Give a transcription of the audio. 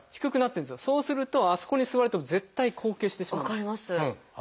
そうするとあそこに座ると絶対後傾してしまうんです。